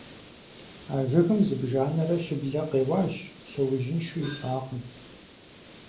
А жыгым зыбжанэрэ щыблэ къеуащ, лъэужьынши ищӀакъым.